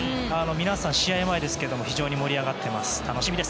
皆さん試合前ですが非常に盛り上がっております。